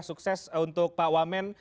sukses untuk pak wamen